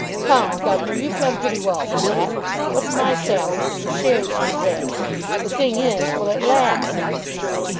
"Come, governor; you've done pretty well for that. What's my salary to the shares you've had? The thing is; will it last?"